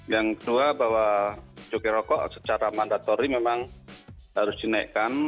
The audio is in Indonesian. yang kedua bahwa cukai rokok secara mandatori memang harus dinaikkan